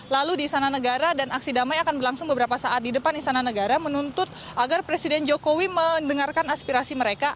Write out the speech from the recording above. lalu di istana negara dan aksi damai akan berlangsung beberapa saat di depan istana negara menuntut agar presiden jokowi mendengarkan aspirasi mereka